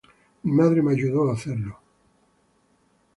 Mi madre me ayudó a hacerlo.